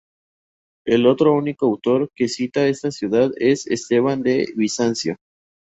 El otro único autor que cita esta ciudad es Esteban de Bizancio.